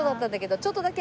ちょっとだけ。